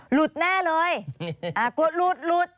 หลุดแน่เลยกลัวหลุดหลุด